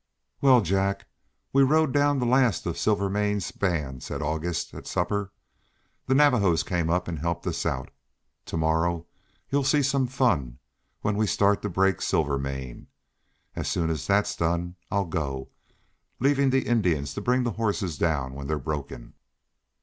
"Well, Jack, we rode down the last of Silvermane's band," said August, at supper. "The Navajos came up and helped us out. To morrow you'll see some fun, when we start to break Silvermane. As soon as that's done I'll go, leaving the Indians to bring the horses down when they're broken."